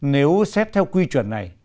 nếu xét theo quy chuẩn này